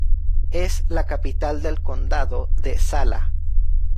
Es la capital del condado de Zala.